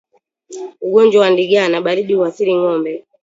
Ugonjwa wa ndigana baridi huathiri ngombe